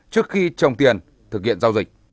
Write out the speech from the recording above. trước khi trồng tiền thực hiện giao dịch